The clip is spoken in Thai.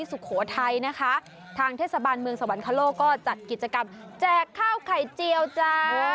สุโขทัยนะคะทางเทศบาลเมืองสวรรคโลกก็จัดกิจกรรมแจกข้าวไข่เจียวจ้า